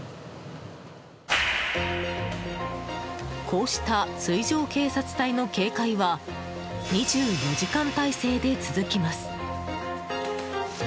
こうした水上警察隊の警戒は２４時間体制で続きます。